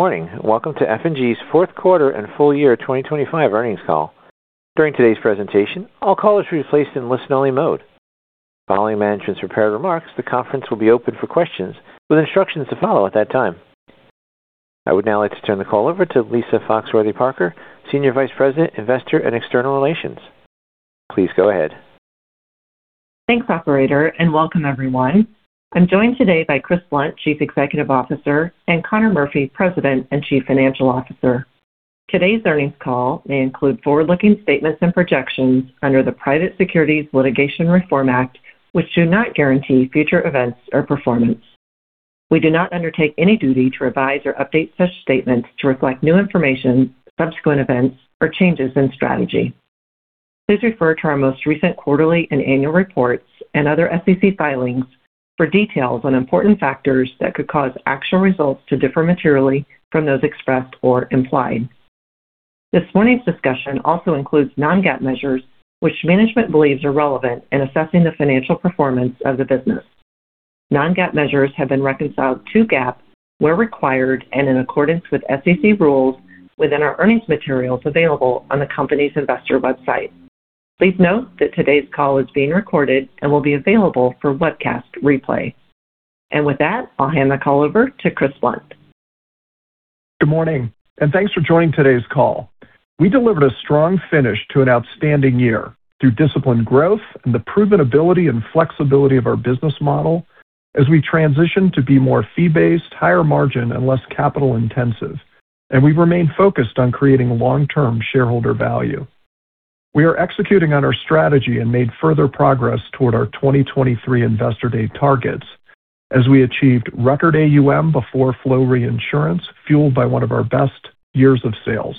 Good morning. Welcome to F&G's fourth quarter and full year 2025 earnings call. During today's presentation, all callers will be placed in listen-only mode. Following management's prepared remarks, the conference will be open for questions with instructions to follow at that time. I would now like to turn the call over to Lisa Foxworthy-Parker, Senior Vice President, Investor & External Relations. Please go ahead. Thanks, operator, and welcome everyone. I'm joined today by Chris Blunt, Chief Executive Officer, and Conor Murphy, President and Chief Financial Officer. Today's earnings call may include forward-looking statements and projections under the Private Securities Litigation Reform Act, which do not guarantee future events or performance. We do not undertake any duty to revise or update such statements to reflect new information, subsequent events, or changes in strategy. Please refer to our most recent quarterly and annual reports and other SEC filings for details on important factors that could cause actual results to differ materially from those expressed or implied. This morning's discussion also includes non-GAAP measures, which management believes are relevant in assessing the financial performance of the business. Non-GAAP measures have been reconciled to GAAP where required and in accordance with SEC rules within our earnings materials available on the company's investor website. Please note that today's call is being recorded and will be available for webcast replay. With that, I'll hand the call over to Chris Blunt. Good morning, and thanks for joining today's call. We delivered a strong finish to an outstanding year through disciplined growth and the proven ability and flexibility of our business model as we transition to be more fee-based, higher margin, and less capital-intensive, and we remain focused on creating long-term shareholder value. We are executing on our strategy and made further progress toward our 2023 Investor Day targets as we achieved record AUM before flow reinsurance, fueled by one of our best years of sales.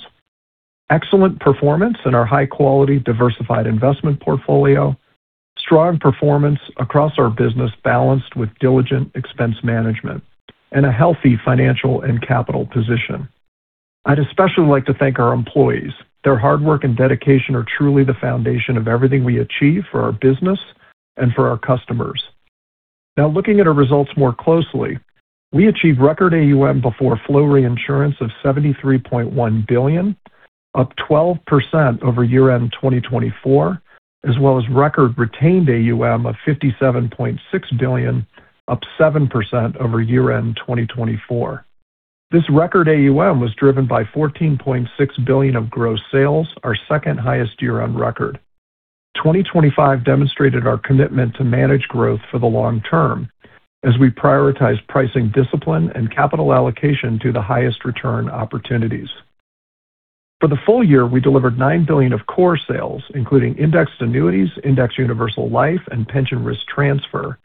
Excellent performance in our high-quality, diversified investment portfolio, strong performance across our business, balanced with diligent expense management, and a healthy financial and capital position. I'd especially like to thank our employees. Their hard work and dedication are truly the foundation of everything we achieve for our business and for our customers. Now, looking at our results more closely, we achieved record AUM before flow reinsurance of $73.1 billion, up 12% over year-end 2024, as well as record retained AUM of $57.6 billion, up 7% over year-end 2024. This record AUM was driven by $14.6 billion of gross sales, our second-highest year on record. 2025 demonstrated our commitment to manage growth for the long term as we prioritize pricing discipline and capital allocation to the highest return opportunities. For the full year, we delivered $9 billion of core sales, including indexed annuities, indexed universal life, and pension risk transfer,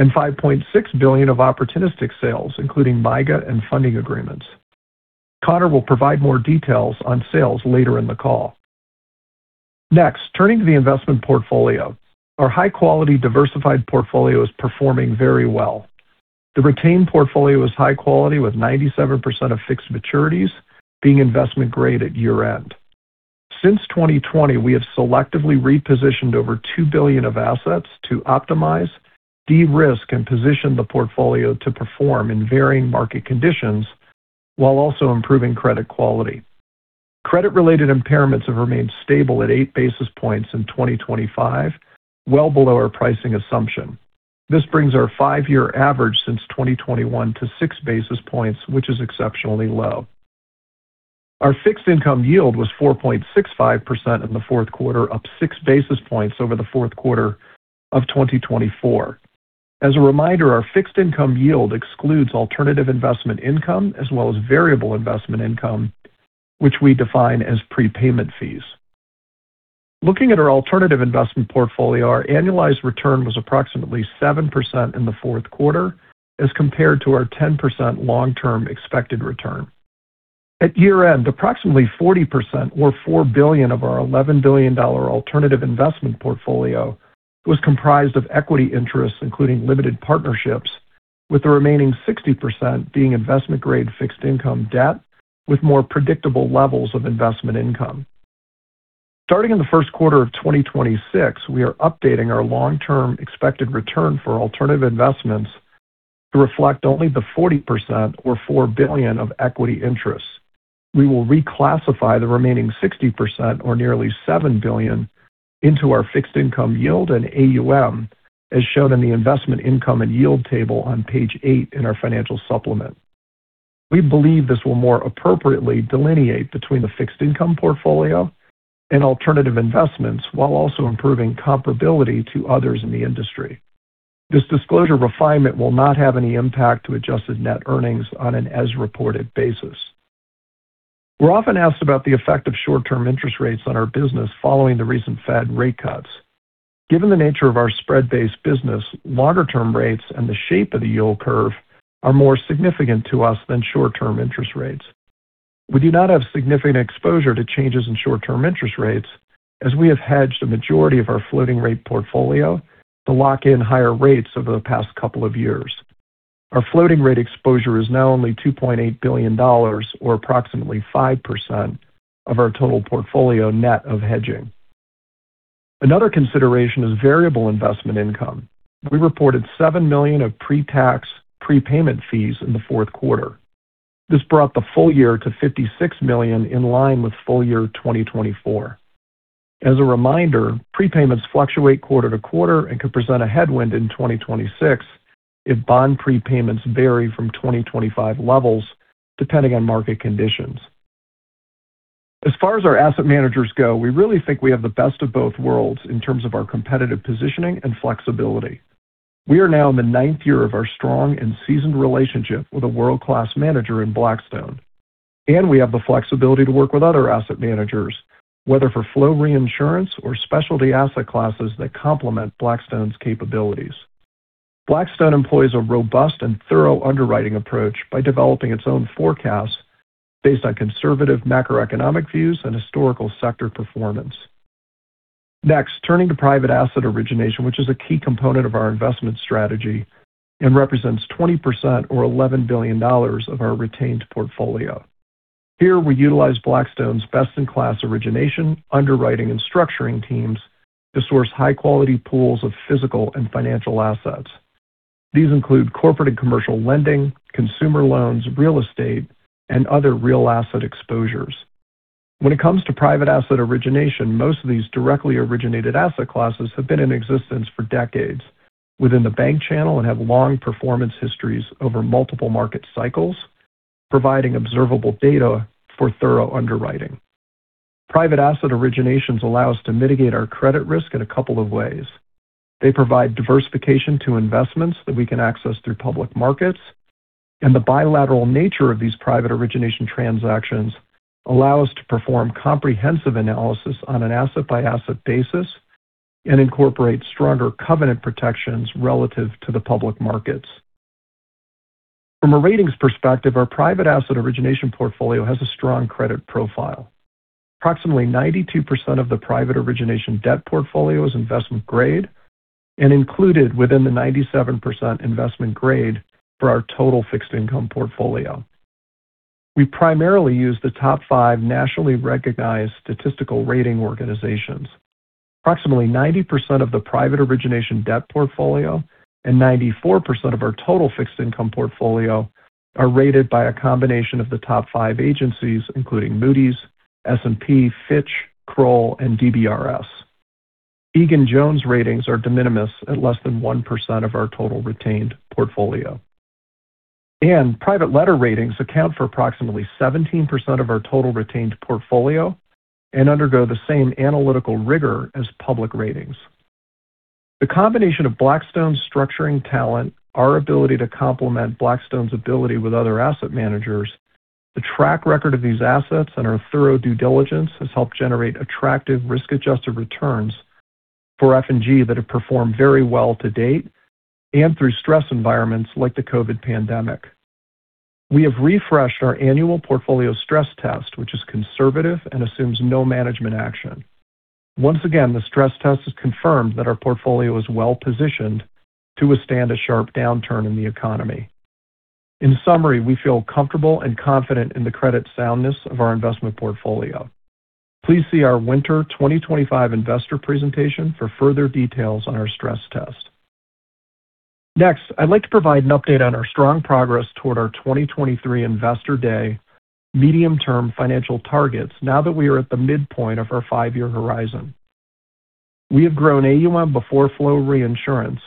and $5.6 billion of opportunistic sales, including MYGA and funding agreements. Conor will provide more details on sales later in the call. Next, turning to the investment portfolio. Our high-quality, diversified portfolio is performing very well. The retained portfolio is high quality, with 97% of fixed maturities being investment-grade at year-end. Since 2020, we have selectively repositioned over $2 billion of assets to optimize, de-risk, and position the portfolio to perform in varying market conditions while also improving credit quality. Credit-related impairments have remained stable at six basis points in 2025, well below our pricing assumption. This brings our five-year average since 2021 to six basis points, which is exceptionally low. Our fixed income yield was 4.65% in the fourth quarter, up six basis points over the fourth quarter of 2024. As a reminder, our fixed income yield excludes alternative investment income as well as variable investment income, which we define as prepayment fees. Looking at our alternative investment portfolio, our annualized return was approximately 7% in the fourth quarter as compared to our 10% long-term expected return. At year-end, approximately 40% or $4 billion of our $11 billion alternative investment portfolio was comprised of equity interests, including limited partnerships, with the remaining 60% being investment-grade fixed income debt with more predictable levels of investment income. Starting in the first quarter of 2026, we are updating our long-term expected return for alternative investments to reflect only the 40% or $4 billion of equity interests. We will reclassify the remaining 60%, or nearly $7 billion, into our fixed income yield and AUM, as shown in the investment income and yield table on page 8 in our financial supplement. We believe this will more appropriately delineate between the fixed income portfolio and alternative investments while also improving comparability to others in the industry. This disclosure refinement will not have any impact to adjusted net earnings on an as-reported basis. We're often asked about the effect of short-term interest rates on our business following the recent Fed rate cuts. Given the nature of our spread-based business, longer-term rates and the shape of the yield curve are more significant to us than short-term interest rates. We do not have significant exposure to changes in short-term interest rates, as we have hedged a majority of our floating rate portfolio to lock in higher rates over the past couple of years. Our floating rate exposure is now only $2.8 billion or approximately 5% of our total portfolio, net of hedging. Another consideration is variable investment income. We reported $7 million of pre-tax prepayment fees in the fourth quarter. This brought the full year to $56 million, in line with full year 2024. As a reminder, prepayments fluctuate quarter to quarter and could present a headwind in 2026 if bond prepayments vary from 2025 levels, depending on market conditions. As far as our asset managers go, we really think we have the best of both worlds in terms of our competitive positioning and flexibility. We are now in the ninth year of our strong and seasoned relationship with a world-class manager in Blackstone, and we have the flexibility to work with other asset managers, whether for flow reinsurance or specialty asset classes that complement Blackstone's capabilities. Blackstone employs a robust and thorough underwriting approach by developing its own forecast based on conservative macroeconomic views and historical sector performance. Next, turning to private asset origination, which is a key component of our investment strategy and represents 20% or $11 billion of our retained portfolio. Here, we utilize Blackstone's best-in-class origination, underwriting, and structuring teams to source high-quality pools of physical and financial assets. These include corporate and commercial lending, consumer loans, real estate, and other real asset exposures. When it comes to private asset origination, most of these directly originated asset classes have been in existence for decades within the bank channel and have long performance histories over multiple market cycles, providing observable data for thorough underwriting. Private asset originations allow us to mitigate our credit risk in a couple of ways. They provide diversification to investments that we can access through public markets, and the bilateral nature of these private origination transactions allow us to perform comprehensive analysis on an asset-by-asset basis and incorporate stronger covenant protections relative to the public markets. From a ratings perspective, our private asset origination portfolio has a strong credit profile. Approximately 92% of the private origination debt portfolio is investment grade and included within the 97% investment grade for our total fixed income portfolio. We primarily use the top five nationally recognized statistical rating organizations. Approximately 90% of the private origination debt portfolio and 94% of our total fixed income portfolio are rated by a combination of the top five agencies, including Moody's, S&P, Fitch, Kroll, and DBRS. Egan-Jones ratings are de minimis at less than 1% of our total retained portfolio. Private letter ratings account for approximately 17% of our total retained portfolio and undergo the same analytical rigor as public ratings. The combination of Blackstone's structuring talent, our ability to complement Blackstone's ability with other asset managers, the track record of these assets, and our thorough due diligence has helped generate attractive risk-adjusted returns for F&G that have performed very well to date and through stress environments like the COVID pandemic. We have refreshed our annual portfolio stress test, which is conservative and assumes no management action. Once again, the stress test has confirmed that our portfolio is well-positioned to withstand a sharp downturn in the economy. In summary, we feel comfortable and confident in the credit soundness of our investment portfolio. Please see our Winter 2025 Investor Presentation for further details on our stress test. Next, I'd like to provide an update on our strong progress toward our 2023 Investor Day medium-term financial targets now that we are at the midpoint of our five-year horizon. We have grown AUM before flow reinsurance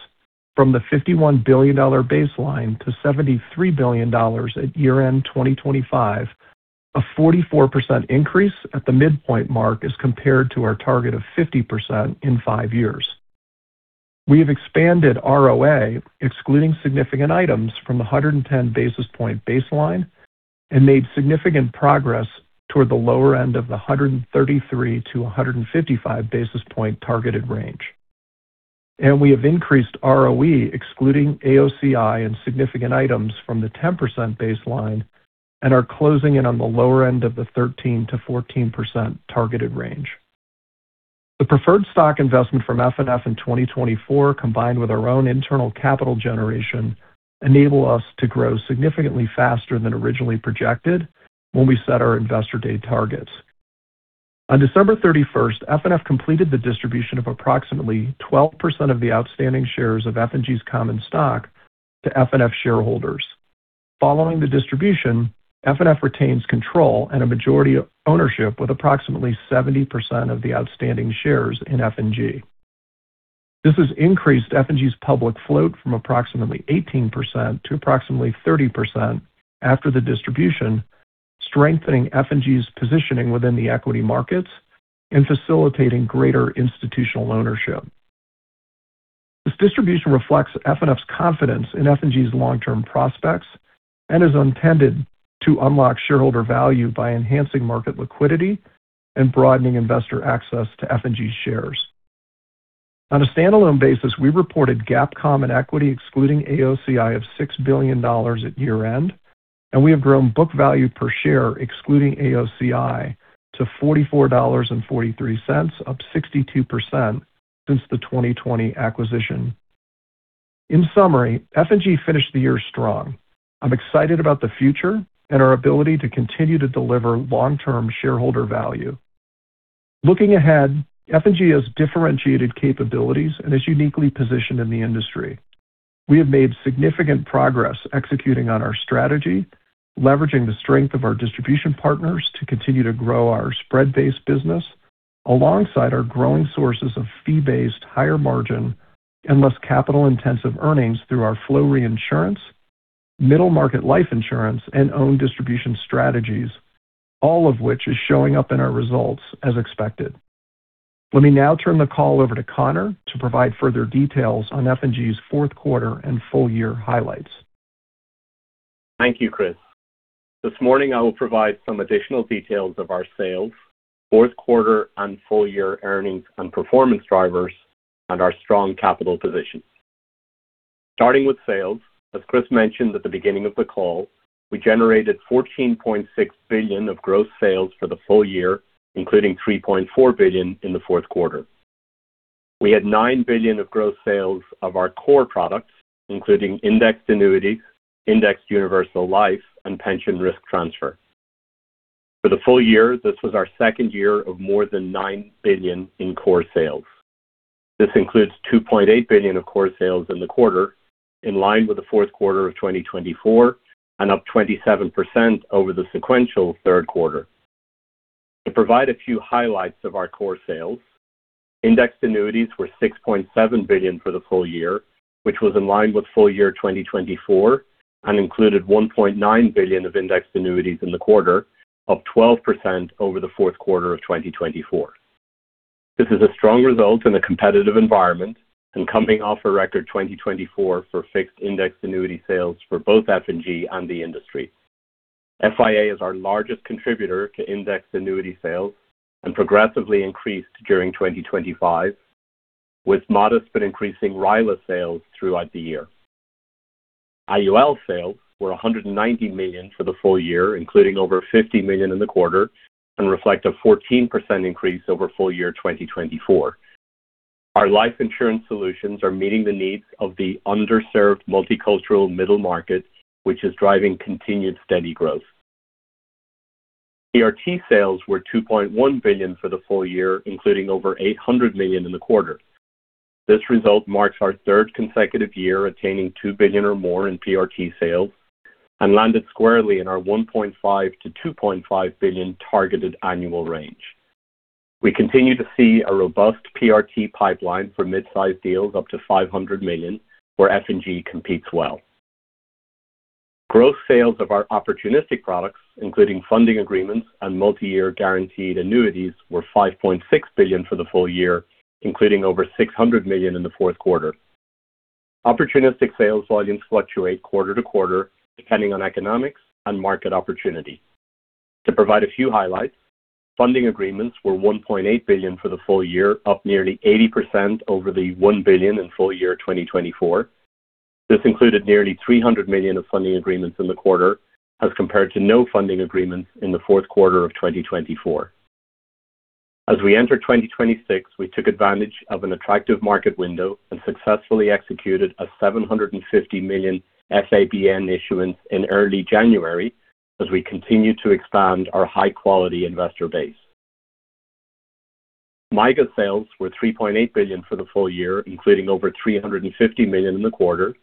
from the $51 billion baseline to $73 billion at year-end 2025. A 44% increase at the midpoint mark as compared to our target of 50% in five years. We have expanded ROA, excluding significant items from the 110 basis point baseline and made significant progress toward the lower end of the 133-155 basis point targeted range. We have increased ROE, excluding AOCI and significant items from the 10% baseline and are closing in on the lower end of the 13%-14% targeted range. The preferred stock investment from FNF in 2024, combined with our own internal capital generation, enable us to grow significantly faster than originally projected when we set our Investor Day targets. On December 31, FNF completed the distribution of approximately 12% of the outstanding shares of F&G's common stock to FNF shareholders. Following the distribution, FNF retains control and a majority of ownership, with approximately 70% of the outstanding shares in F&G. This has increased F&G's public float from approximately 18% to approximately 30% after the distribution, strengthening F&G's positioning within the equity markets and facilitating greater institutional ownership. This distribution reflects FNF's confidence in F&G's long-term prospects and is intended to unlock shareholder value by enhancing market liquidity and broadening investor access to F&G shares. On a standalone basis, we reported GAAP common equity, excluding AOCI, of $6 billion at year-end, and we have grown book value per share, excluding AOCI, to $44.43, up 62% since the 2020 acquisition of F&G.... In summary, F&G finished the year strong. I'm excited about the future and our ability to continue to deliver long-term shareholder value. Looking ahead, F&G has differentiated capabilities and is uniquely positioned in the industry. We have made significant progress executing on our strategy, leveraging the strength of our distribution partners to continue to grow our spread-based business, alongside our growing sources of fee-based, higher margin, and less capital-intensive earnings through our flow reinsurance, middle market life insurance, and own distribution strategies, all of which is showing up in our results as expected. Let me now turn the call over to Conor to provide further details on F&G's fourth quarter and full year highlights. Thank you, Chris. This morning, I will provide some additional details of our sales, fourth quarter and full year earnings and performance drivers, and our strong capital position. Starting with sales, as Chris mentioned at the beginning of the call, we generated $14.6 billion of gross sales for the full year, including $3.4 billion in the fourth quarter. We had $9 billion of gross sales of our core products, including indexed annuities, indexed universal life, and pension risk transfer. For the full year, this was our second year of more than $9 billion in core sales. This includes $2.8 billion of core sales in the quarter, in line with the fourth quarter of 2024, and up 27% over the sequential third quarter. To provide a few highlights of our core sales, indexed annuities were $6.7 billion for the full year, which was in line with full year 2024 and included $1.9 billion of indexed annuities in the quarter, up 12% over the fourth quarter of 2024. This is a strong result in a competitive environment and coming off a record 2024 for fixed index annuity sales for both F&G and the industry. FIA is our largest contributor to indexed annuity sales and progressively increased during 2025, with modest but increasing RILA sales throughout the year. IUL sales were $190 million for the full year, including over $50 million in the quarter, and reflect a 14% increase over full year 2024. Our life insurance solutions are meeting the needs of the underserved multicultural middle market, which is driving continued steady growth. PRT sales were $2.1 billion for the full year, including over $800 million in the quarter. This result marks our third consecutive year, attaining $2 billion or more in PRT sales and landed squarely in our $1.5-$2.5 billion targeted annual range. We continue to see a robust PRT pipeline for mid-sized deals up to $500 million, where F&G competes well. Gross sales of our opportunistic products, including funding agreements and multi-year guaranteed annuities, were $5.6 billion for the full year, including over $600 million in the fourth quarter. Opportunistic sales volumes fluctuate quarter to quarter, depending on economics and market opportunity. To provide a few highlights, funding agreements were $1.8 billion for the full year, up nearly 80% over the $1 billion in full year 2024. This included nearly $300 million of funding agreements in the quarter as compared to no funding agreements in the fourth quarter of 2024. As we entered 2026, we took advantage of an attractive market window and successfully executed a $750 million FABN issuance in early January as we continue to expand our high-quality investor base. MYGA sales were $3.8 billion for the full year, including over $350 million in the quarter,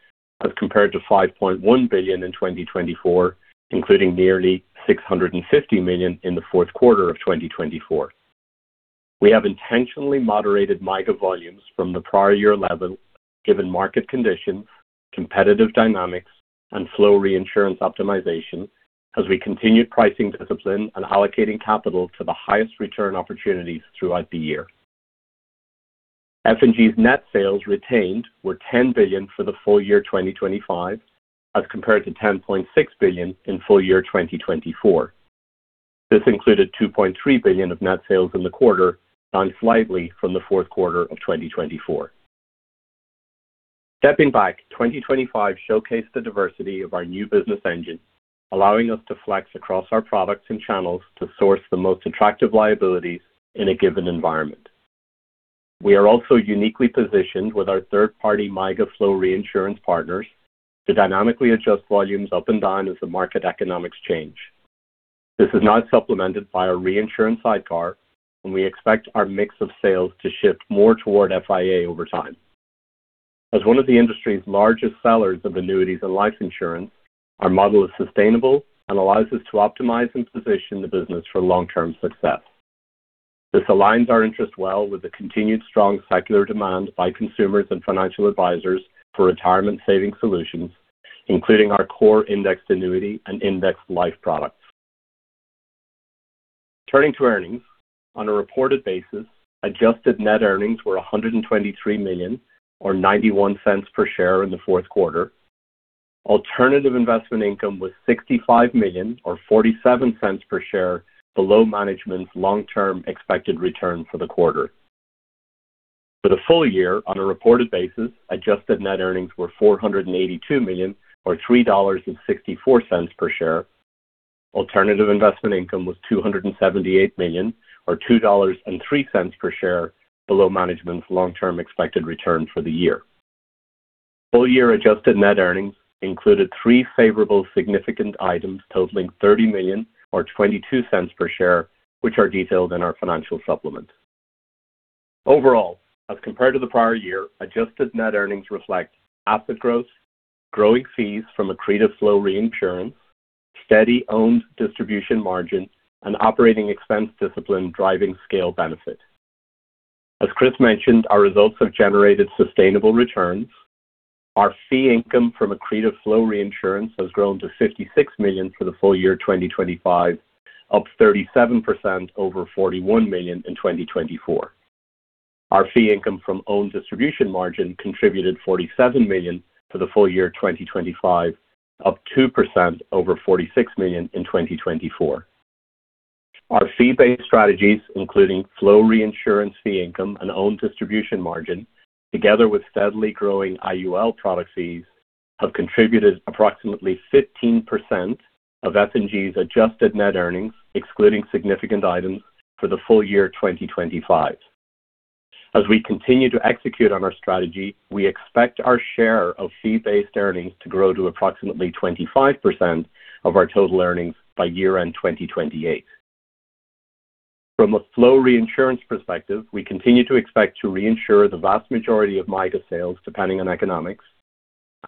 as compared to $5.1 billion in 2024, including nearly $650 million in the fourth quarter of 2024. We have intentionally moderated MYGA volumes from the prior year levels, given market conditions, competitive dynamics, and flow reinsurance optimization as we continued pricing discipline and allocating capital to the highest return opportunities throughout the year. F&G's net sales retained were $10 billion for the full year 2025, as compared to $10.6 billion in full year 2024. This included $2.3 billion of net sales in the quarter, down slightly from the fourth quarter of 2024. Stepping back, 2025 showcased the diversity of our new business engines, allowing us to flex across our products and channels to source the most attractive liabilities in a given environment. We are also uniquely positioned with our third-party MYGA flow reinsurance partners to dynamically adjust volumes up and down as the market economics change. This is not supplemented by our reinsurance sidecar, and we expect our mix of sales to shift more toward FIA over time. As one of the industry's largest sellers of annuities and life insurance, our model is sustainable and allows us to optimize and position the business for long-term success. This aligns our interest well with the continued strong secular demand by consumers and financial advisors for retirement savings solutions, including our core indexed annuity and indexed life products. Turning to earnings. On a reported basis, adjusted net earnings were $123 million, or $0.91 per share in the fourth quarter. Alternative investment income was $65 million, or $0.47 per share, below management's long-term expected return for the quarter. For the full year, on a reported basis, adjusted net earnings were $482 million, or $3.64 per share.... Alternative investment income was $278 million, or $2.03 per share, below management's long-term expected return for the year. Full year adjusted net earnings included three favorable significant items totaling $30 million, or $0.22 per share, which are detailed in our financial supplement. Overall, as compared to the prior year, adjusted net earnings reflect asset growth, growing fees from accretive flow reinsurance, steady owned distribution margin, and operating expense discipline driving scale benefit. As Chris mentioned, our results have generated sustainable returns. Our fee income from accretive flow reinsurance has grown to $56 million for the full year 2025, up 37% over $41 million in 2024. Our fee income from own distribution margin contributed $47 million for the full year 2025, up 2% over $46 million in 2024. Our fee-based strategies, including flow reinsurance, fee income, and own distribution margin, together with steadily growing IUL product fees, have contributed approximately 15% of F&G's adjusted net earnings, excluding significant items for the full year, 2025. As we continue to execute on our strategy, we expect our share of fee-based earnings to grow to approximately 25% of our total earnings by year end, 2028. From a flow reinsurance perspective, we continue to expect to reinsure the vast majority of MYGA sales, depending on economics,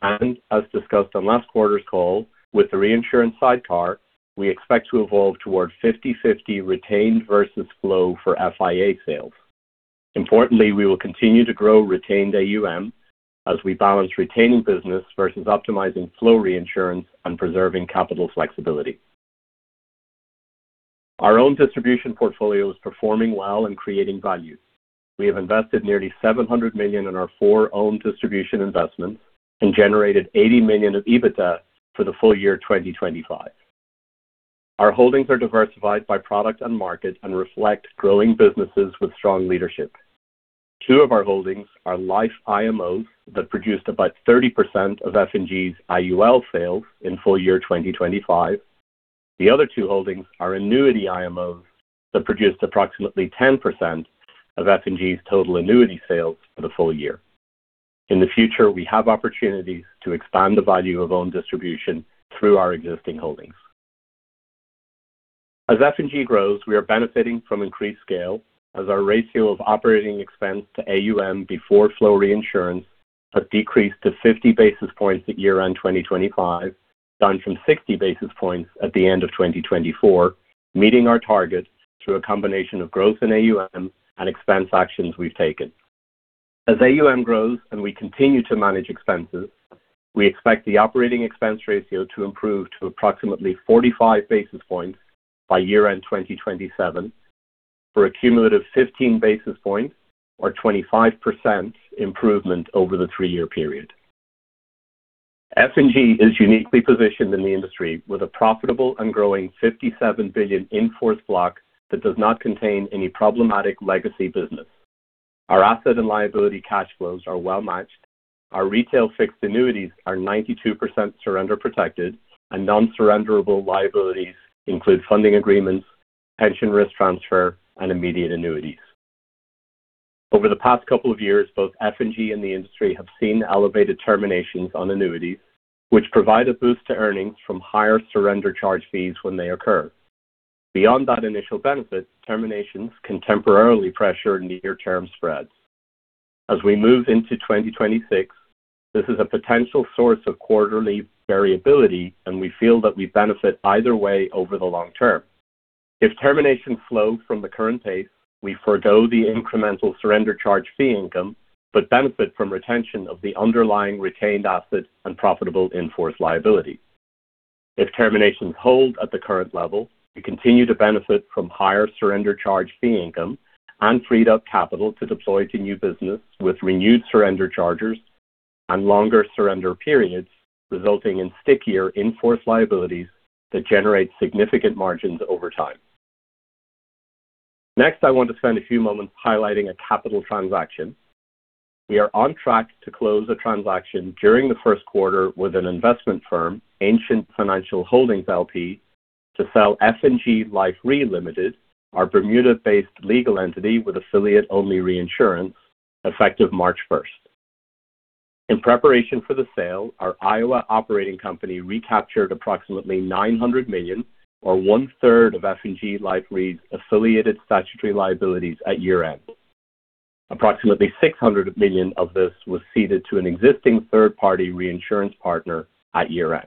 and as discussed on last quarter's call, with the reinsurance sidecar, we expect to evolve toward 50/50 retained versus flow for FIA sales. Importantly, we will continue to grow retained AUM as we balance retaining business versus optimizing flow reinsurance and preserving capital flexibility. Our own distribution portfolio is performing well and creating value. We have invested nearly $700 million in our four own distribution investments and generated $80 million of EBITDA for the full year, 2025. Our holdings are diversified by product and market and reflect growing businesses with strong leadership. Two of our holdings are life IMOs that produced about 30% of F&G's IUL sales in full year, 2025. The other two holdings are annuity IMOs, that produced approximately 10% of F&G's total annuity sales for the full year. In the future, we have opportunities to expand the value of own distribution through our existing holdings. As F&G grows, we are benefiting from increased scale as our ratio of operating expense to AUM before flow reinsurance has decreased to 50 basis points at year-end 2025, down from 60 basis points at the end of 2024, meeting our target through a combination of growth in AUM and expense actions we've taken. As AUM grows and we continue to manage expenses, we expect the operating expense ratio to improve to approximately 45 basis points by year-end 2027, for a cumulative 15 basis points or 25% improvement over the three-year period. F&G is uniquely positioned in the industry with a profitable and growing $57 billion in-force block that does not contain any problematic legacy business. Our asset and liability cash flows are well-matched. Our retail fixed annuities are 92% surrender protected, and non-surrenderable liabilities include funding agreements, pension risk transfer, and immediate annuities. Over the past couple of years, both F&G and the industry have seen elevated terminations on annuities, which provide a boost to earnings from higher surrender charge fees when they occur. Beyond that initial benefit, terminations can temporarily pressure near-term spreads. As we move into 2026, this is a potential source of quarterly variability, and we feel that we benefit either way over the long term. If terminations flow from the current pace, we forgo the incremental surrender charge fee income, but benefit from retention of the underlying retained assets and profitable in-force liability. If terminations hold at the current level, we continue to benefit from higher surrender charge fee income and freed up capital to deploy to new business with renewed surrender charges and longer surrender periods, resulting in stickier in-force liabilities that generate significant margins over time. Next, I want to spend a few moments highlighting a capital transaction. We are on track to close a transaction during the first quarter with an investment firm, Anchin Financial Holdings LP, to sell F&G Life Re Limited, our Bermuda-based legal entity with affiliate-only reinsurance, effective March first. In preparation for the sale, our Iowa operating company recaptured approximately $900 million, or one-third of F&G Life Re's affiliated statutory liabilities at year-end. Approximately $600 million of this was ceded to an existing third-party reinsurance partner at year-end.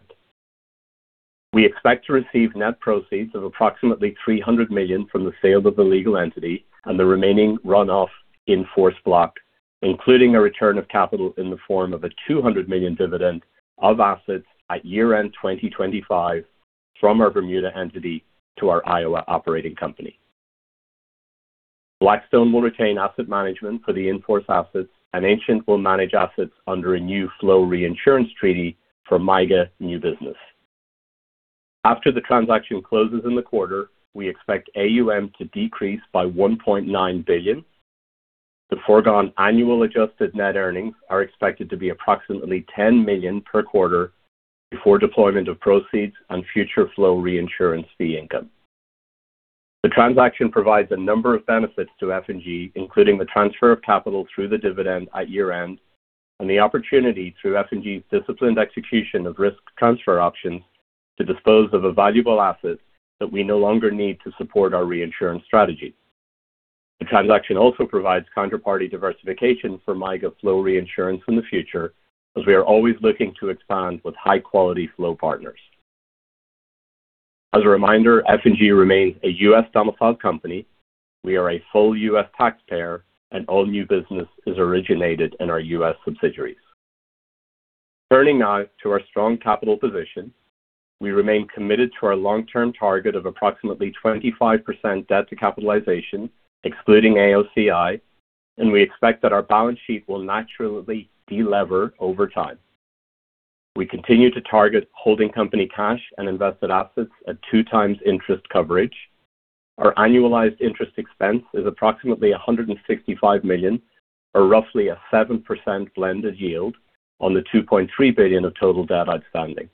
We expect to receive net proceeds of approximately $300 million from the sale of the legal entity and the remaining runoff in-force block, including a return of capital in the form of a $200 million dividend of assets at year-end 2025 from our Bermuda entity to our Iowa operating company. Blackstone will retain asset management for the in-force assets, and Anchin will manage assets under a new flow reinsurance treaty for MYGA new business. After the transaction closes in the quarter, we expect AUM to decrease by $1.9 billion. The foregone annual adjusted net earnings are expected to be approximately $10 million per quarter before deployment of proceeds on future flow reinsurance fee income. The transaction provides a number of benefits to F&G, including the transfer of capital through the dividend at year-end and the opportunity, through F&G's disciplined execution of risk transfer options, to dispose of a valuable asset that we no longer need to support our reinsurance strategy. The transaction also provides counterparty diversification for MYGA flow reinsurance in the future, as we are always looking to expand with high-quality flow partners. As a reminder, F&G remains a U.S.-domiciled company. We are a full U.S. taxpayer, and all new business is originated in our U.S. subsidiaries. Turning now to our strong capital position, we remain committed to our long-term target of approximately 25% debt to capitalization, excluding AOCI, and we expect that our balance sheet will naturally delever over time. We continue to target holding company cash and invested assets at two times interest coverage. Our annualized interest expense is approximately $165 million, or roughly a 7% blended yield on the $2.3 billion of total debt outstanding.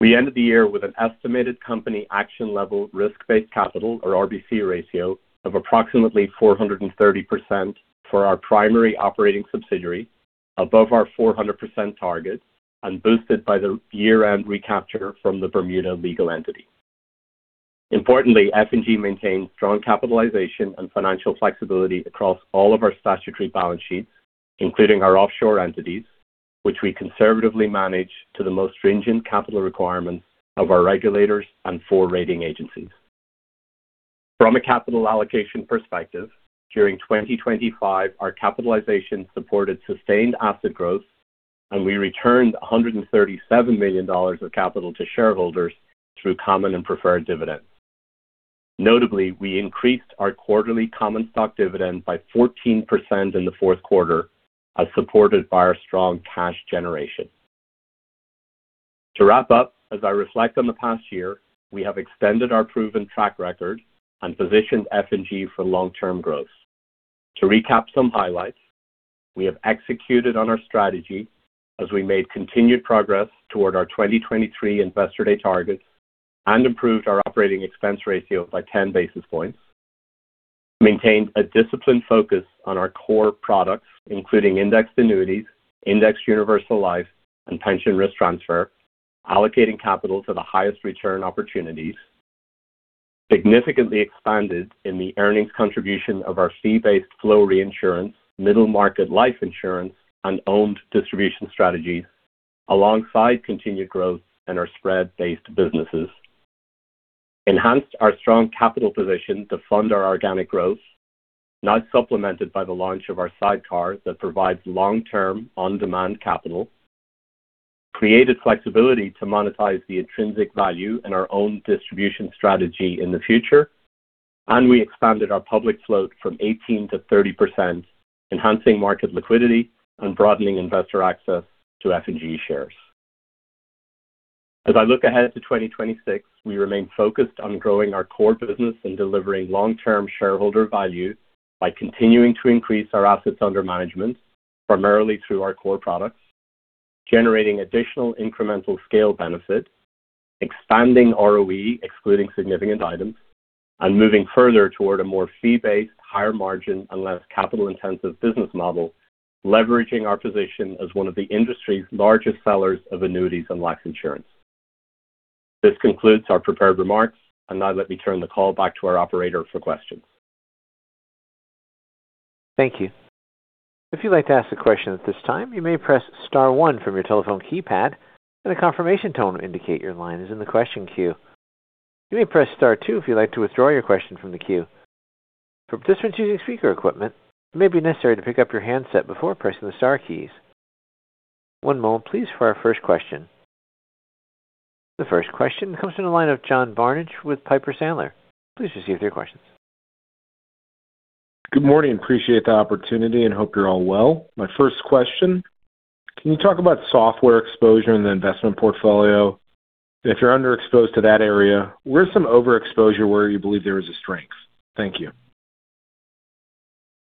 We ended the year with an estimated company action level risk-based capital, or RBC ratio, of approximately 430% for our primary operating subsidiaries, above our 400% target and boosted by the year-end recapture from the Bermuda legal entity. Importantly, F&G maintains strong capitalization and financial flexibility across all of our statutory balance sheets, including our offshore entities, which we conservatively manage to the most stringent capital requirements of our regulators and four rating agencies. From a capital allocation perspective, during 2025, our capitalization supported sustained asset growth, and we returned $137 million of capital to shareholders through common and preferred dividends. Notably, we increased our quarterly common stock dividend by 14% in the fourth quarter, as supported by our strong cash generation. To wrap up, as I reflect on the past year, we have extended our proven track record and positioned F&G for long-term growth. To recap some highlights, we have executed on our strategy as we made continued progress toward our 2023 Investor Day targets and improved our operating expense ratio by 10 basis points. Maintained a disciplined focus on our core products, including indexed annuities, indexed universal life, and pension risk transfer, allocating capital to the highest return opportunities. Significantly expanded in the earnings contribution of our fee-based flow reinsurance, middle-market life insurance, and owned distribution strategies, alongside continued growth in our spread-based businesses. Enhanced our strong capital position to fund our organic growth, now supplemented by the launch of our sidecar that provides long-term on-demand capital. Created flexibility to monetize the intrinsic value in our own distribution strategy in the future, and we expanded our public float from 18%-30%, enhancing market liquidity and broadening investor access to F&G shares. As I look ahead to 2026, we remain focused on growing our core business and delivering long-term shareholder value by continuing to increase our assets under management, primarily through our core products, generating additional incremental scale benefits, expanding ROE, excluding significant items, and moving further toward a more fee-based, higher margin and less capital-intensive business model, leveraging our position as one of the industry's largest sellers of annuities and life insurance. This concludes our prepared remarks. And now let me turn the call back to our operator for questions. Thank you. If you'd like to ask a question at this time, you may press star one from your telephone keypad, and a confirmation tone will indicate your line is in the question queue. You may press star two if you'd like to withdraw your question from the queue. For participants using speaker equipment, it may be necessary to pick up your handset before pressing the star keys. One moment, please, for our first question. The first question comes from the line of John Barnidge with Piper Sandler. Please proceed with your question. Good morning. Appreciate the opportunity and hope you're all well. My first question: Can you talk about software exposure in the investment portfolio? If you're underexposed to that area, where's some overexposure where you believe there is a strength? Thank you.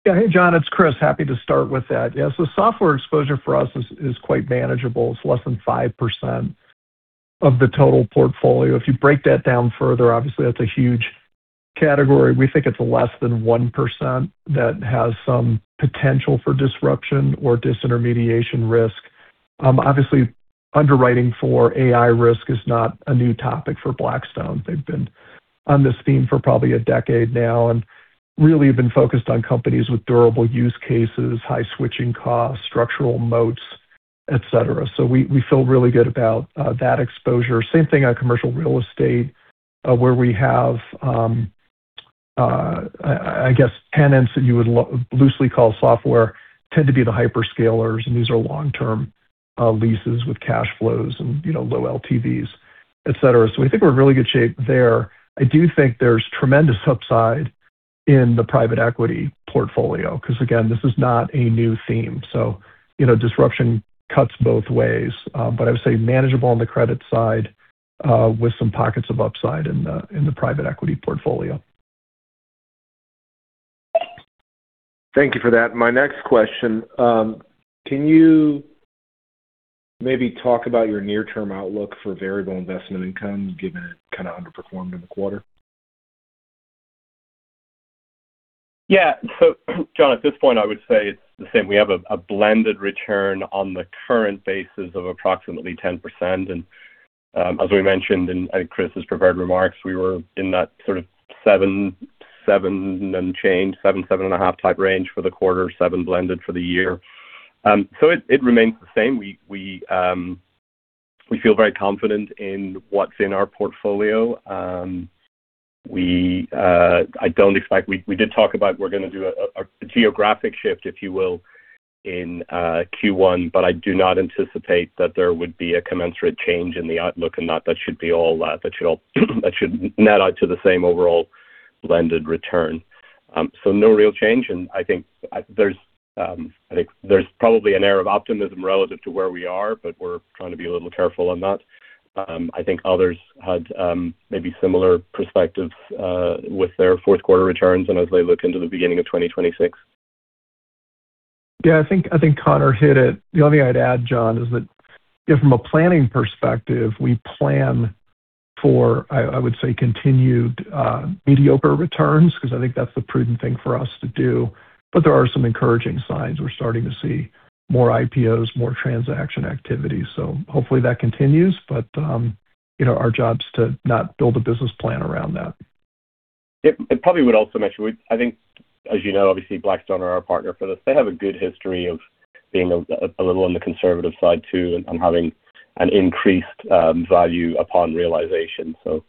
Yeah. Hey, John, it's Chris. Happy to start with that. Yeah, so software exposure for us is quite manageable. It's less than 5% of the total portfolio. If you break that down further, obviously, that's a huge category. We think it's less than 1% that has some potential for disruption or disintermediation risk. Obviously, underwriting for AI risk is not a new topic for Blackstone. They've been on this theme for probably a decade now and really been focused on companies with durable use cases, high switching costs, structural moats, et cetera. So we feel really good about that exposure. Same thing on commercial real estate, where we have, I guess tenants that you would loosely call software tend to be the hyperscalers, and these are long-term leases with cash flows and, you know, low LTVs, et cetera. So we think we're in really good shape there. I do think there's tremendous upside in the private equity portfolio because, again, this is not a new theme. So, you know, disruption cuts both ways. But I would say manageable on the credit side, with some pockets of upside in the private equity portfolio. Thank you for that. My next question, can you maybe talk about your near-term outlook for variable investment income, given it kind of underperformed in the quarter? Yeah. So, John, at this point, I would say it's the same. We have a blended return on the current basis of approximately 10%. And, as we mentioned in Chris's prepared remarks, we were in that sort of seven, seven and change, seven 7.5 type range for the quarter, seven blended for the year. So it remains the same. We feel very confident in what's in our portfolio. I don't expect. We did talk about we're going to do a geographic shift, if you will, in Q1, but I do not anticipate that there would be a commensurate change in the outlook, and that should be all, that should all, that should net out to the same overall blended return. So no real change, and I think there's probably an air of optimism relative to where we are, but we're trying to be a little careful on that. I think others had maybe similar perspectives with their fourth quarter returns and as they look into the beginning of 2026. Yeah, I think, I think Conor hit it. The only thing I'd add, John, is that from a planning perspective, we plan for, I, I would say, continued, mediocre returns, because I think that's the prudent thing for us to do. But there are some encouraging signs. We're starting to see more IPOs, more transaction activity, so hopefully, that continues. But, you know, our job is to not build a business plan around that. Yeah. I probably would also mention, we, I think, as you know, obviously, Blackstone are our partner for this. They have a good history of being a little on the conservative side, too, and having an increased value upon realization. So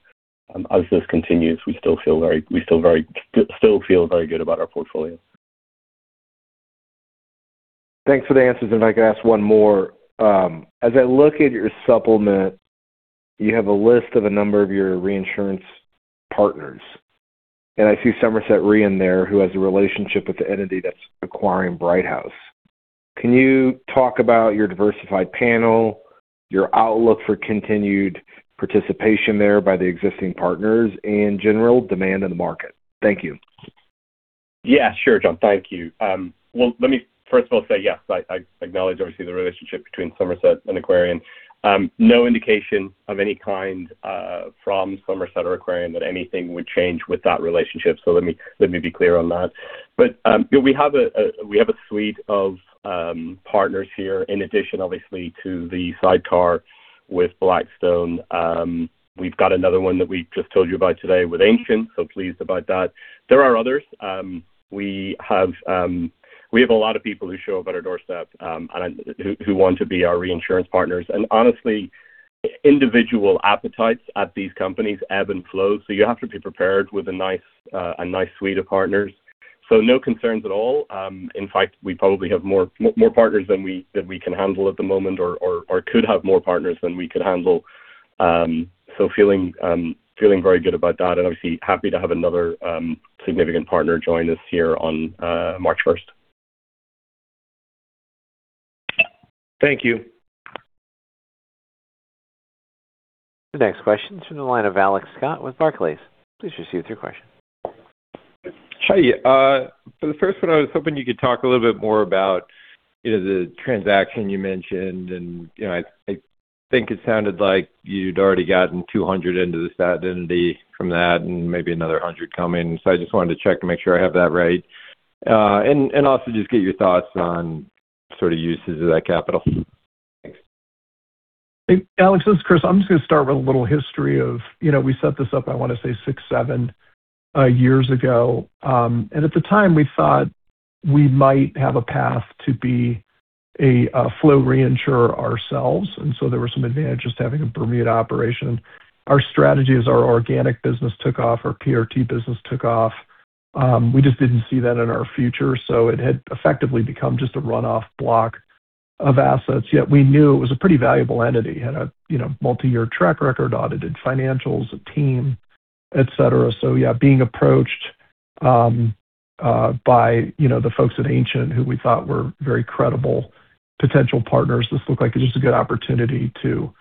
as this continues, we still feel very good about our portfolio. Thanks for the answers. If I could ask one more. As I look at your supplement, you have a list of a number of your reinsurance partners, and I see Somerset Re in there, who has a relationship with the entity that's acquiring Brighthouse. Can you talk about your diversified panel, your outlook for continued participation there by the existing partners, and general demand in the market? Thank you. Yeah, sure, John. Thank you. Well, let me first of all say yes, I acknowledge, obviously, the relationship between Somerset and Aquarian. No indication of any kind from Somerset or Aquarian that anything would change with that relationship. So let me be clear on that. But we have a suite of partners here, in addition, obviously, to the sidecar with Blackstone. We've got another one that we just told you about today with Anchin, so pleased about that. There are others. We have a lot of people who show up at our doorstep and who want to be our reinsurance partners, and honestly, individual appetites at these companies ebb and flow, so you have to be prepared with a nice suite of partners. So no concerns at all. In fact, we probably have more partners than we can handle at the moment or could have more partners than we could handle. So feeling very good about that, and obviously happy to have another significant partner join us here on March first. Thank you. The next question is from the line of Alex Scott with Barclays. Please proceed with your question. Hi. For the first one, I was hoping you could talk a little bit more about, you know, the transaction you mentioned, and, you know, I think it sounded like you'd already gotten $200 into this entity from that and maybe another $100 coming. So I just wanted to check to make sure I have that right. And also just get your thoughts on sort of uses of that capital. Alex, this is Chris. I'm just going to start with a little history of, you know, we set this up, I want to say 6, 7 years ago. And at the time, we thought we might have a path to be a flow reinsurer ourselves, and so there were some advantages to having a Bermuda operation. Our strategy, as our organic business took off, our PRT business took off, we just didn't see that in our future, so it had effectively become just a runoff block of assets, yet we knew it was a pretty valuable entity. It had a, you know, multi-year track record, audited financials, a team, et cetera. So yeah, being approached by, you know, the folks at Anchin, who we thought were very credible potential partners, this looked like it was a good opportunity to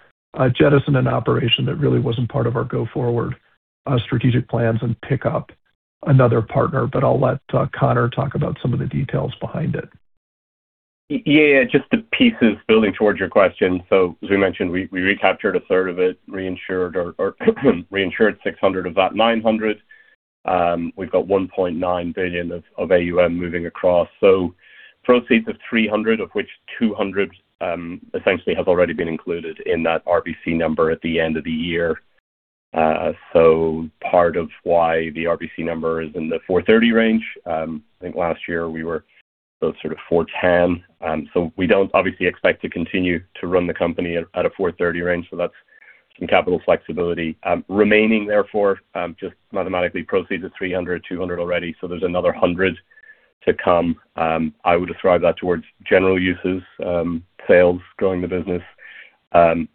jettison an operation that really wasn't part of our go-forward strategic plans and pick up another partner. But I'll let Conor talk about some of the details behind it. Yeah, just the pieces building towards your question. So as we mentioned, we recaptured a third of it, reinsured $600 million of that $900 million. We've got $1.9 billion of AUM moving across. So proceeds of $300 million, of which $200 million essentially has already been included in that RBC number at the end of the year. So part of why the RBC number is in the 430% range, I think last year we were sort of 410%. So we don't obviously expect to continue to run the company at a 430% range, so that's some capital flexibility. Remaining therefore, just mathematically, proceeds of $300 million, $200 million already, so there's another $100 million to come. I would ascribe that towards general uses, sales, growing the business.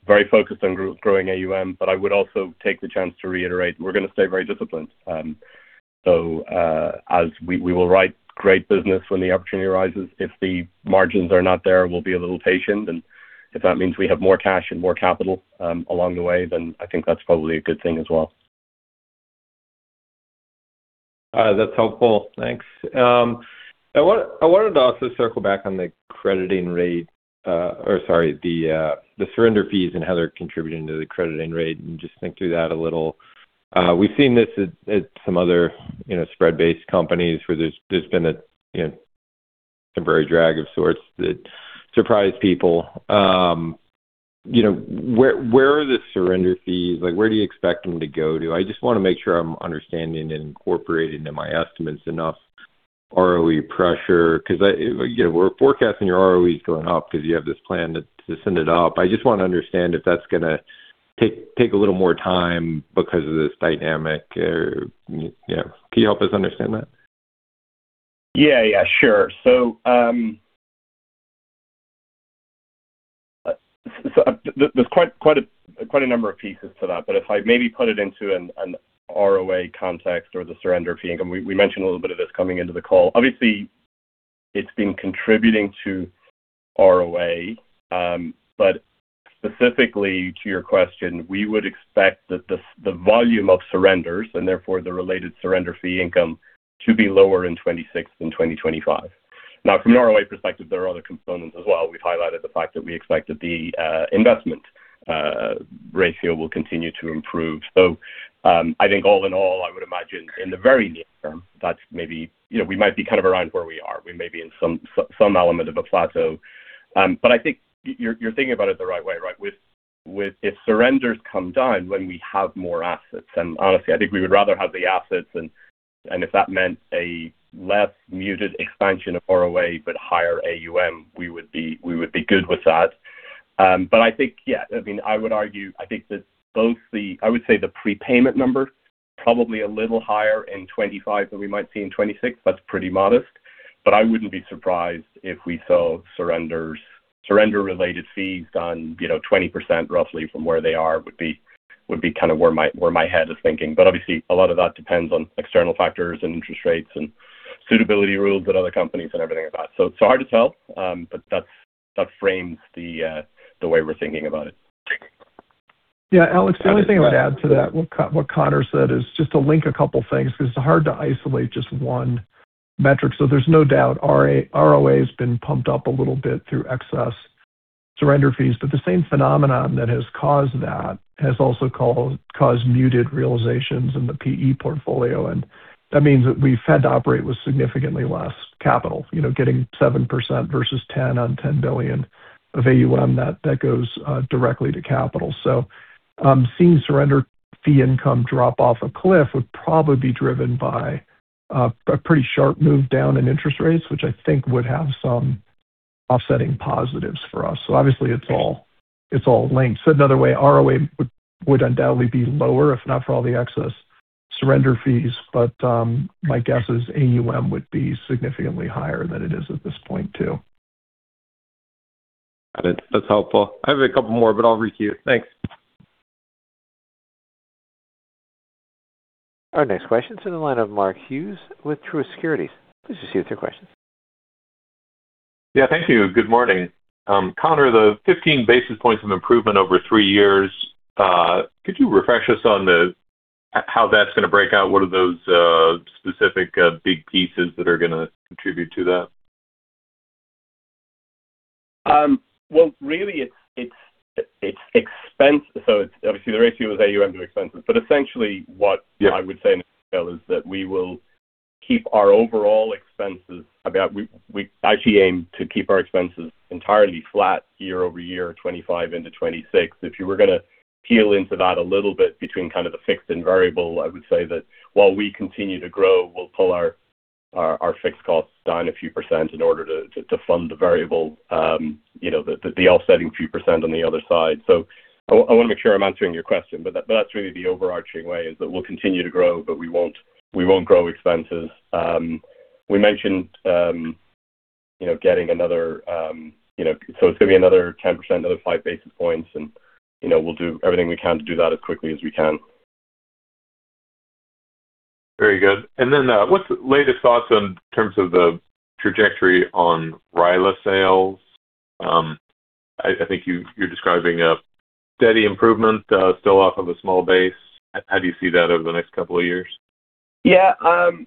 Very focused on growing AUM, but I would also take the chance to reiterate, we're going to stay very disciplined. So, as we will write great business when the opportunity arises. If the margins are not there, we'll be a little patient, and if that means we have more cash and more capital along the way, then I think that's probably a good thing as well. That's helpful. Thanks. I wanted to also circle back on the crediting rate, or sorry, the surrender fees and how they're contributing to the crediting rate, and just think through that a little. We've seen this at some other, you know, spread-based companies where there's been a, you know, temporary drag of sorts that surprised people. You know, where are the surrender fees? Like, where do you expect them to go to? I just want to make sure I'm understanding and incorporating in my estimates enough ROE pressure, 'cause I, you know, we're forecasting your ROE is going up because you have this plan to send it up. I just want to understand if that's going to take a little more time because of this dynamic or, you know... Can you help us understand that? Yeah, yeah, sure. So, so there's quite a number of pieces to that, but if I maybe put it into an ROA context or the surrender fee income, we mentioned a little bit of this coming into the call. Obviously, it's been contributing to ROA. But specifically to your question, we would expect that the volume of surrenders, and therefore the related surrender fee income, to be lower in 2026 than 2025. Now, from an ROA perspective, there are other components as well. We've highlighted the fact that we expect that the investment ratio will continue to improve. So, I think all in all, I would imagine in the very near term, that's maybe, you know, we might be kind of around where we are. We may be in some element of a plateau. But I think you're thinking about it the right way, right? With... If surrenders come down when we have more assets, and honestly, I think we would rather have the assets, and if that meant a less muted expansion of ROA but higher AUM, we would be good with that. But I think, yeah, I mean, I would argue, I think that both the... I would say the prepayment numbers, probably a little higher in 2025 than we might see in 2026. That's pretty modest, but I wouldn't be surprised if we saw surrenders, surrender-related fees down, you know, 20% roughly from where they are would be kind of where my head is thinking. But obviously, a lot of that depends on external factors and interest rates and suitability rules at other companies and everything like that. So it's hard to tell, but that frames the way we're thinking about it. Yeah, Alex, the only thing I'd add to that, what Conor said, is just to link a couple things, because it's hard to isolate just one metric. So there's no doubt RA, ROA has been pumped up a little bit through excess surrender fees, but the same phenomenon that has caused that has also caused muted realizations in the PE portfolio, and that means that we've had to operate with significantly less capital. You know, getting 7% versus 10% on $10 billion of AUM, that, that goes directly to capital. So, seeing surrender fee income drop off a cliff would probably be driven by a pretty sharp move down in interest rates, which I think would have some offsetting positives for us. So obviously, it's all, it's all linked. Another way, ROA would undoubtedly be lower if not for all the excess surrender fees, but my guess is AUM would be significantly higher than it is at this point, too. Got it. That's helpful. I have a couple more, but I'll recuse. Thanks. Our next question is in the line of Mark Hughes with Truist Securities. Please proceed with your question. Yeah, thank you. Good morning. Conor, the 15 basis points of improvement over three years, could you refresh us on the, how that's going to break out? What are those specific big pieces that are gonna contribute to that? Well, really, it's expense. So it's obviously the ratio of AUM to expenses. But essentially, what I would say is that we will keep our overall expenses. I mean, we actually aim to keep our expenses entirely flat year-over-year, 2025 into 2026. If you were gonna peel into that a little bit between kind of the fixed and variable, I would say that while we continue to grow, we'll pull our fixed costs down a few% in order to fund the variable, you know, the offsetting few % on the other side. So I want to make sure I'm answering your question, but that's really the overarching way, is that we'll continue to grow, but we won't grow expenses. We mentioned, you know, getting another, you know... It's going to be another 10%, another five basis points, and, you know, we'll do everything we can to do that as quickly as we can. Very good. And then, what's the latest thoughts in terms of the trajectory on RILA sales? I think you, you're describing a steady improvement, still off of a small base. How do you see that over the next couple of years? Yeah.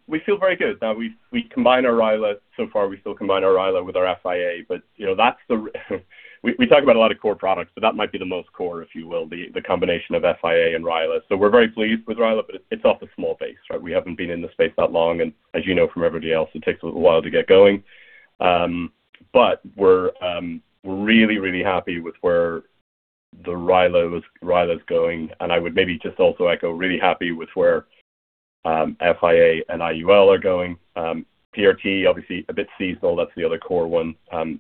We feel very good. Now we combine our RILA. So far, we still combine our RILA with our FIA, but, you know, that's the... We talk about a lot of core products, but that might be the most core, if you will, the combination of FIA and RILA. So we're very pleased with RILA, but it's off a small base, right? We haven't been in the space that long, and as you know, from everybody else, it takes a little while to get going. But we're really, really happy with where the RILA's going, and I would maybe just also echo, really happy with where FIA and IUL are going. PRT, obviously a bit seasonal. That's the other core one.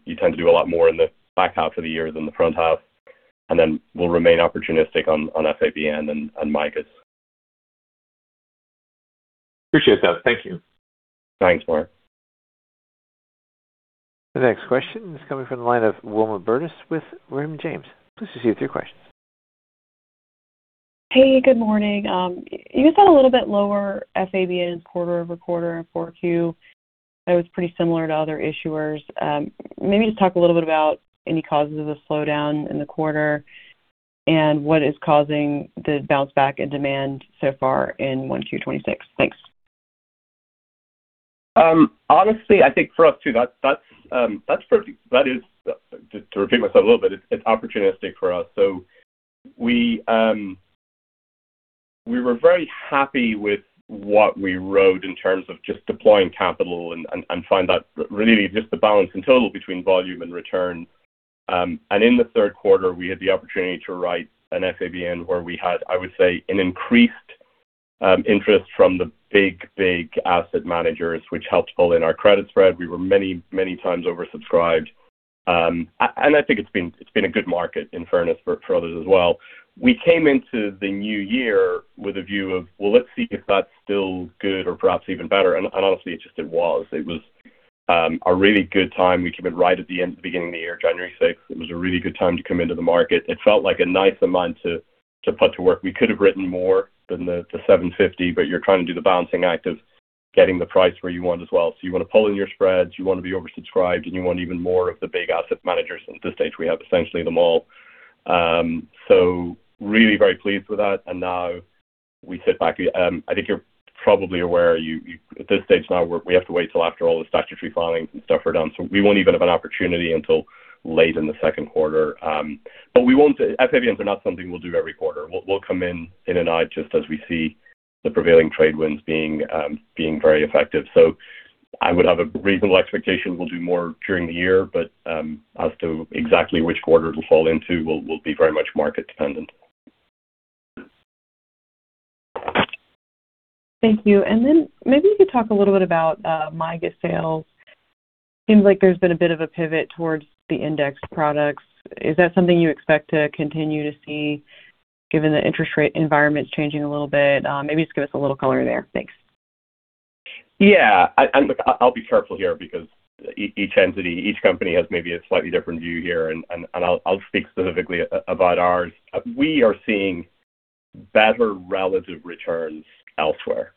You tend to do a lot more in the back half of the year than the front half, and then we'll remain opportunistic on FABN and MYGAs. Appreciate that. Thank you. Thanks, Mark. The next question is coming from the line of Wilma Burdis with Raymond James. Please proceed with your question. Hey, good morning. You just had a little bit lower FABN quarter-over-quarter in 4Q. That was pretty similar to other issuers. Maybe just talk a little bit about any causes of the slowdown in the quarter and what is causing the bounce back in demand so far in 1Q 2026. Thanks. Honestly, I think for us, too, that's, that's pretty... That is, to repeat myself a little bit, it's, it's opportunistic for us. So we were very happy with what we wrote in terms of just deploying capital and, and, and find that really just the balance in total between volume and return. And in the third quarter, we had the opportunity to write an FABN where we had, I would say, an increased interest from the big, big asset managers, which helped pull in our credit spread. We were many, many times oversubscribed. And I think it's been, it's been a good market, in fairness for others as well. We came into the new year with a view of, well, let's see if that's still good or perhaps even better. And honestly, it just it was. It was a really good time. We came in right at the end, the beginning of the year, January sixth. It was a really good time to come into the market. It felt like a nice amount to put to work. We could have written more than the $750 million, but you're trying to do the balancing act of getting the price where you want as well. So you want to pull in your spreads, you want to be oversubscribed, and you want even more of the big asset managers. At this stage, we have essentially them all. So really very pleased with that, and now we sit back. I think you're probably aware, at this stage now, we have to wait till after all the statutory filings and stuff are done. So we won't even have an opportunity until late in the second quarter. But we won't... FABNs are not something we'll do every quarter. We'll come in just as we see the prevailing trade winds being very effective. So I would have a reasonable expectation we'll do more during the year, but as to exactly which quarter it'll fall into will be very much market dependent. Thank you. And then maybe you could talk a little bit about MYGA sales. Seems like there's been a bit of a pivot towards the index products. Is that something you expect to continue to see, given the interest rate environment is changing a little bit? Maybe just give us a little color there. Thanks. Yeah, and look, I'll be careful here because each entity, each company has maybe a slightly different view here, and I'll speak specifically about ours. We are seeing better relative returns elsewhere,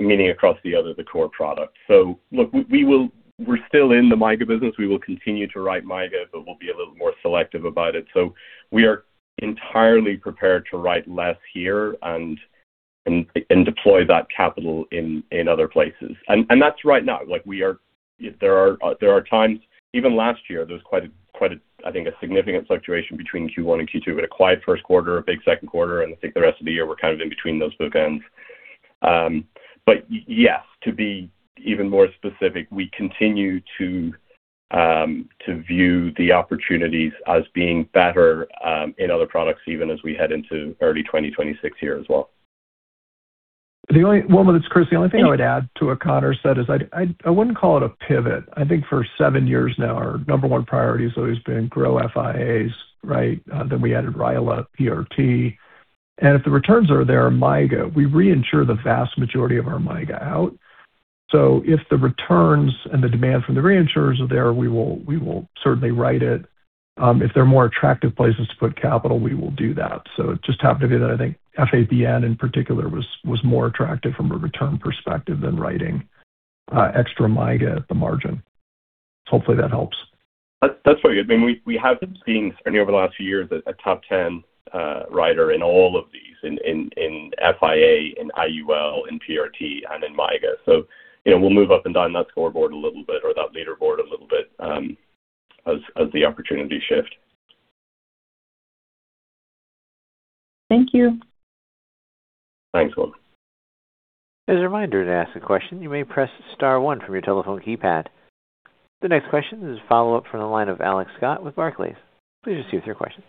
meaning across the other, the core products. So look, we will—we're still in the MYGA business. We will continue to write MYGA, but we'll be a little more selective about it. So we are entirely prepared to write less here and deploy that capital in other places. And that's right now. Like we are... There are times, even last year, there was quite a, I think, a significant fluctuation between Q1 and Q2. We had a quiet first quarter, a big second quarter, and I think the rest of the year, we're kind of in between those bookends. But yes, to be even more specific, we continue to view the opportunities as being better in other products, even as we head into early 2026 here as well. Wilma, it's Chris. The only thing I would add to what Conor said is I wouldn't call it a pivot. I think for seven years now, our number one priority has always been grow FIAs, right? Then we added RILA, PRT, and if the returns are there, MYGA, we reinsure the vast majority of our MYGA out. So if the returns and the demand from the reinsurers are there, we will certainly write it. If there are more attractive places to put capital, we will do that. So it just happened to be that I think FABN, in particular, was more attractive from a return perspective than writing extra MYGA at the margin. So hopefully that helps. That, that's very good. I mean, we have been seeing over the last few years, a top ten rider in all of these, in FIA, in IUL, in PRT, and in MYGA. So, you know, we'll move up and down that scoreboard a little bit or that leaderboard a little bit, as the opportunity shift. Thank you. Thanks, Wilma. As a reminder, to ask a question, you may press star one from your telephone keypad. The next question is a follow-up from the line of Alex Scott with Barclays. Please proceed with your question.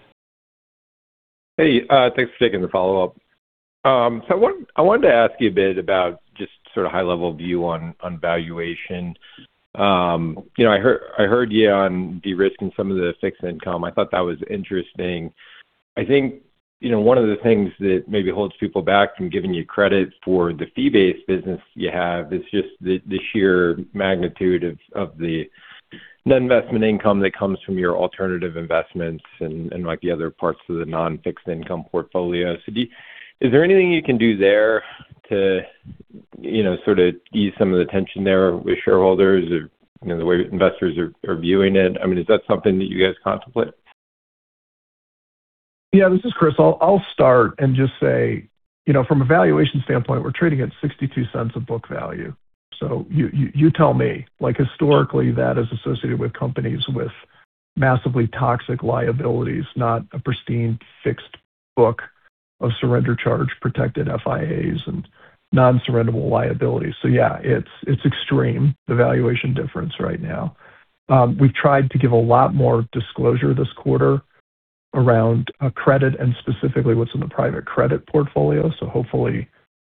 Hey, thanks for taking the follow-up. So I wanted to ask you a bit about just sort of high-level view on, on valuation. You know, I heard, I heard you on de-risking some of the fixed income. I thought that was interesting. I think, you know, one of the things that maybe holds people back from giving you credit for the fee-based business you have is just the, the sheer magnitude of, of the non-investment income that comes from your alternative investments and, and like the other parts of the non-fixed income portfolio. So is there anything you can do there to, you know, sort of ease some of the tension there with shareholders or, you know, the way investors are, are viewing it? I mean, is that something that you guys contemplate? Yeah, this is Chris. I'll start and just say, you know, from a valuation standpoint, we're trading at $0.62 a book value. So you tell me, like, historically, that is associated with companies with massively toxic liabilities, not a pristine fixed book of surrender charge, protected FIAs and non-surrendable liabilities. So yeah, it's extreme, the valuation difference right now. We've tried to give a lot more disclosure this quarter around credit and specifically what's in the private credit portfolio. So hopefully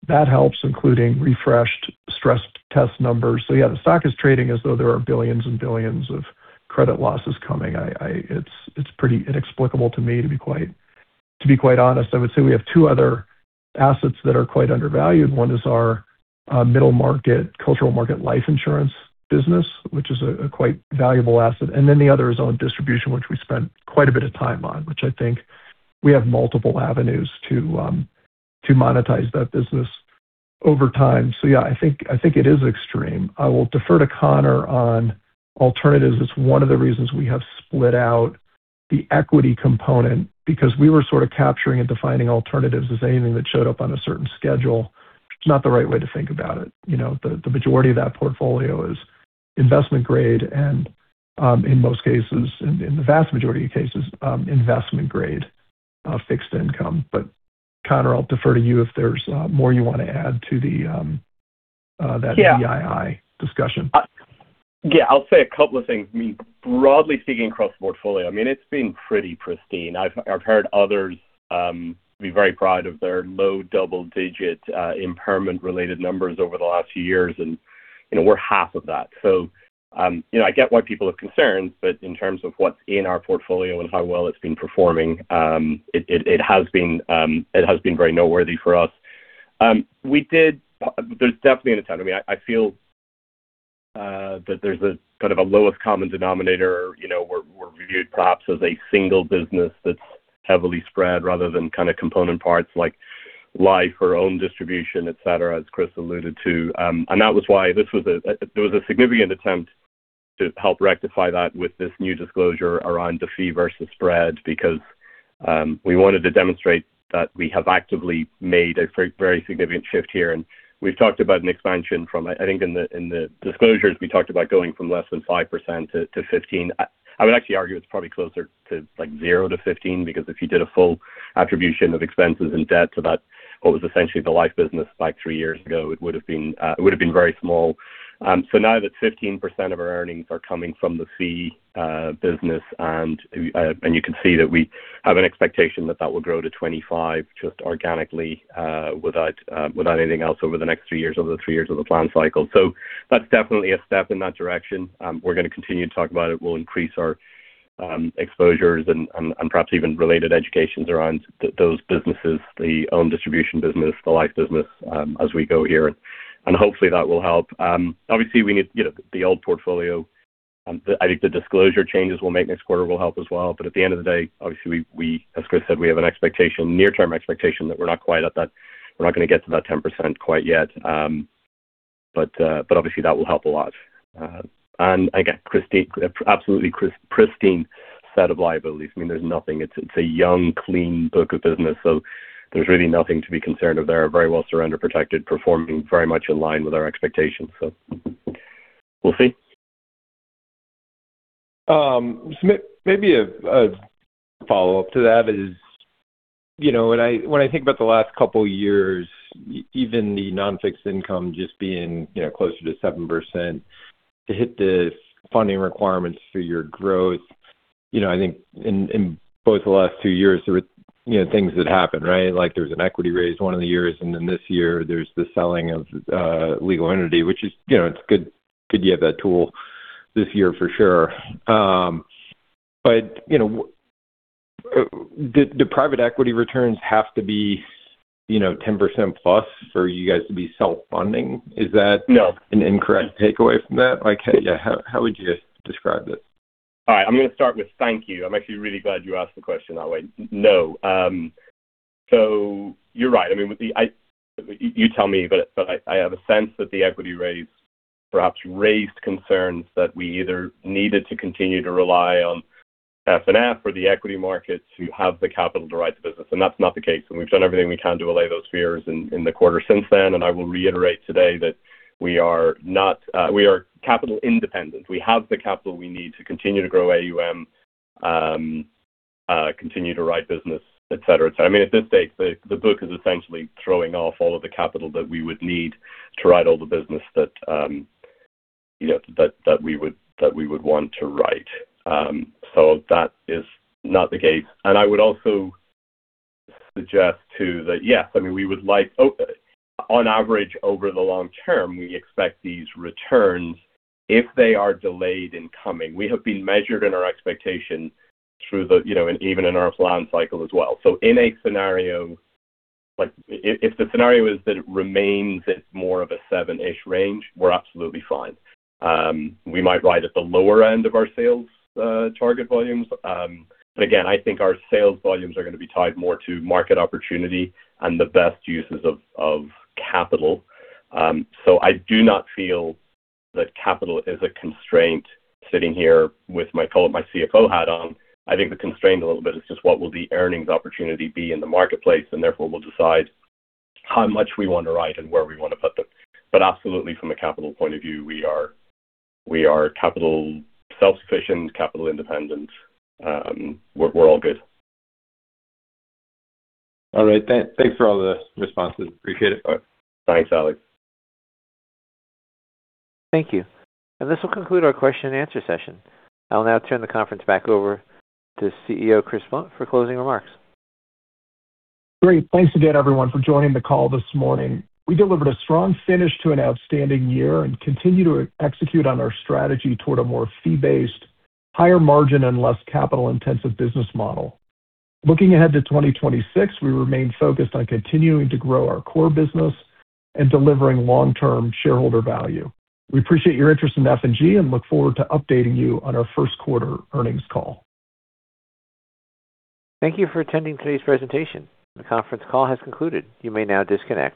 that helps, including refreshed stress test numbers. So yeah, the stock is trading as though there are billions and billions of credit losses coming. It's pretty inexplicable to me, to be quite honest. I would say we have two other assets that are quite undervalued. One is our middle market, cultural market life insurance business, which is a quite valuable asset. And then the other is own distribution, which we spent quite a bit of time on, which I think we have multiple avenues to to monetize that business over time. So yeah, I think it is extreme. I will defer to Conor on alternatives. It's one of the reasons we have split out the equity component because we were sort of capturing and defining alternatives as anything that showed up on a certain schedule. It's not the right way to think about it. You know, the majority of that portfolio is investment grade, and in most cases, in the vast majority of cases, investment grade fixed income. But Conor, I'll defer to you if there's more you want to add to the that- Yeah. - VII discussion. Yeah, I'll say a couple of things. Broadly speaking, across the portfolio, I mean, it's been pretty pristine. I've heard others be very proud of their low double-digit impairment-related numbers over the last few years, and, you know, we're half of that. So, you know, I get why people are concerned, but in terms of what's in our portfolio and how well it's been performing, it has been very noteworthy for us. There's definitely an attempt. I mean, I feel that there's a kind of lowest common denominator. You know, we're viewed perhaps as a single business that's heavily spread rather than kind of component parts like life or own distribution, et cetera, as Chris alluded to. And that was why there was a significant attempt to help rectify that with this new disclosure around the fee versus spread, because we wanted to demonstrate that we have actively made a very significant shift here. And we've talked about an expansion from, I think, in the disclosures, we talked about going from less than 5%-15%. I would actually argue it's probably closer to, like, 0%-15%, because if you did a full attribution of expenses and debt to that, what was essentially the life business like three years ago, it would have been very small. So now that 15% of our earnings are coming from the fee business, and you can see that we have an expectation that that will grow to 25 just organically, without anything else over the next three years, over the three years of the plan cycle. So that's definitely a step in that direction. We're gonna continue to talk about it. We'll increase our exposures and perhaps even related educations around those businesses, the own distribution business, the life business, as we go here, and hopefully that will help. Obviously, we need, you know, the old portfolio. I think the disclosure changes we'll make next quarter will help as well. But at the end of the day, obviously, we, as Chris said, we have an expectation, near-term expectation, that we're not quite at that... We're not going to get to that 10% quite yet. But, but obviously, that will help a lot. And again, pristine, absolutely pristine set of liabilities. I mean, there's nothing. It's, it's a young, clean book of business, so there's really nothing to be concerned of there. Very well surrender, protected, performing very much in line with our expectations. So we'll see. So maybe a follow-up to that is, you know, when I think about the last couple years, even the non-fixed income just being, you know, closer to 7% to hit the funding requirements for your growth. You know, I think in both the last two years, there were, you know, things that happened, right? Like, there was an equity raise one of the years, and then this year there's the selling of legal entity, which is, you know, it's good. Good to have that tool this year for sure. But, you know, do private equity returns have to be, you know, 10% plus for you guys to be self-funding? Is that- No. an incorrect takeaway from that? Like, yeah, how, how would you describe it? All right. I'm gonna start with thank you. I'm actually really glad you asked the question that way. No, so you're right. I mean, you tell me, but I have a sense that the equity raise perhaps raised concerns that we either needed to continue to rely on FNF or the equity market to have the capital to write the business, and that's not the case. We've done everything we can to allay those fears in the quarter since then, and I will reiterate today that we are not, we are capital independent. We have the capital we need to continue to grow AUM, continue to write business, et cetera. So, I mean, at this stage, the book is essentially throwing off all of the capital that we would need to write all the business that, you know, that we would want to write. So that is not the case. And I would also suggest, too, that, yes, I mean, we would like on average, over the long term, we expect these returns if they are delayed in coming. We have been measured in our expectations through the, you know, and even in our plan cycle as well. So in a scenario, like if the scenario is that it remains at more of a seven-ish range, we're absolutely fine. We might write at the lower end of our sales target volumes. But again, I think our sales volumes are gonna be tied more to market opportunity and the best uses of capital. So I do not feel that capital is a constraint sitting here with my CFO hat on. I think the constraint a little bit is just what will the earnings opportunity be in the marketplace, and therefore, we'll decide how much we want to write and where we want to put them. But absolutely, from a capital point of view, we are, we are capital self-sufficient, capital independent. We're, we're all good. All right. Thanks for all the responses. Appreciate it. Thanks, Alex. Thank you. This will conclude our question and answer session. I'll now turn the conference back over to CEO Chris Blunt for closing remarks. Great. Thanks again, everyone, for joining the call this morning. We delivered a strong finish to an outstanding year and continue to execute on our strategy toward a more fee-based, higher margin, and less capital-intensive business model. Looking ahead to 2026, we remain focused on continuing to grow our core business and delivering long-term shareholder value. We appreciate your interest in F&G and look forward to updating you on our first quarter earnings call. Thank you for attending today's presentation. The conference call has concluded. You may now disconnect.